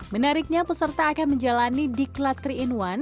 menariknya peserta akan menjalani diklat tiga in satu